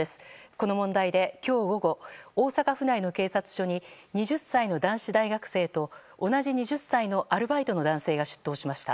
この問題で今日午後大阪府内の警察署に２０歳の男子大学生と同じ２０歳のアルバイトの男性が出頭しました。